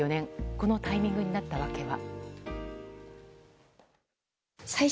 このタイミングになった訳は。